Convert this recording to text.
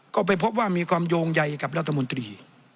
ก็ไปพบว่ามีความโยงใยกับรัฐมนตรี